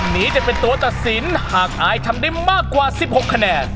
นี้จะเป็นตัวตัดสินหากอายทำได้มากกว่า๑๖คะแนน